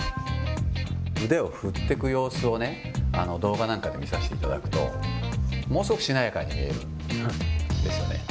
腕を振っていく様子をね、動画なんかで見させていただくと、ものすごくしなやかに見えるんですよね。